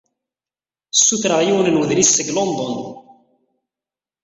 Ssutreɣ yiwen n wedlis seg London.